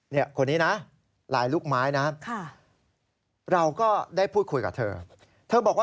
เนี่ยคนนี้นะหลายลูกไม้นะครับ